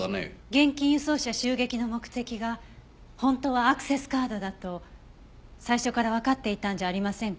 現金輸送車襲撃の目的が本当はアクセスカードだと最初からわかっていたんじゃありませんか？